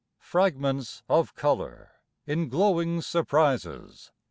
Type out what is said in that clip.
Fragments of color In glowing surprises...